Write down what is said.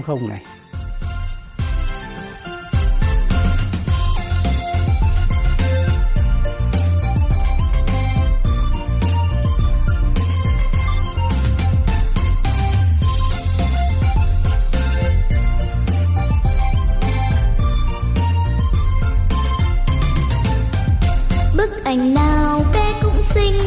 thưa bố mẹ hãy bấm